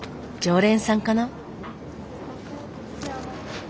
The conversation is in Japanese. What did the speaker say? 常連さんかな？